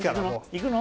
行くの？